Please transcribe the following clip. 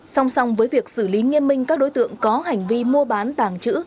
song song với việc xử lý nghiêm minh các đối tượng có hành vi mua bán tàng trữ